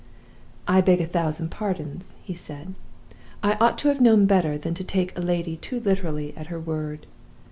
"'I beg a thousand pardons,' he said. 'I ought to have known better than to take a lady too literally at her word.